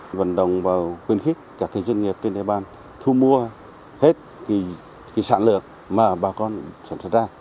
huyện cũng khuyên khích các doanh nghiệp trên địa bàn thu mua hết sản lượng mà bà con sản xuất ra